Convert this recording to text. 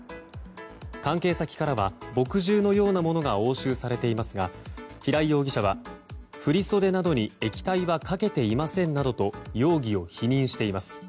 関係先からは墨汁のようなものが押収されていますが平井容疑者は、振り袖などに液体はかけていませんなどと容疑を否認しています。